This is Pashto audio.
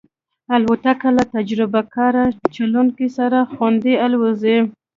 الوتکه له تجربهکار چلونکي سره خوندي الوزي.